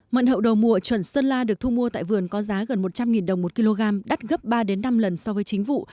mận hậu đầu mùa chuẩn sơn la được thu mua tại vườn có giá gần một trăm linh đồng một kg đắt gấp ba năm lần so với chính vụ